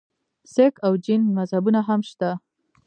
سک او جین مذهبونه هم شته.